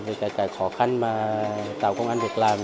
vì cái khó khăn mà tàu công an việc làm